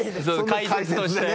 解説としてね。